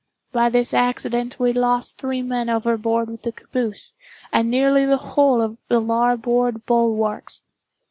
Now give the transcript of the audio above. By this accident we lost three men overboard with the caboose, and nearly the whole of the larboard bulwarks.